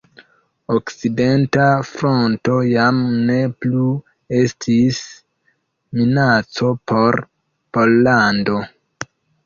Okcidenta Fronto jam ne plu estis minaco por Pollando.